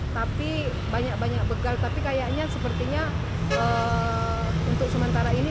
tapi banyak banyak bekal tapi kayaknya sepertinya untuk sementara ini